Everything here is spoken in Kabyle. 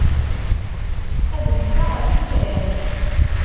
Adlis-a ɣef yitran.